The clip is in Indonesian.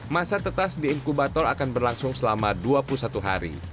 masa tetas di inkubator akan berlangsung selama dua puluh satu hari